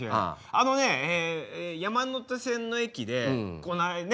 あのね山手線の駅でこないだね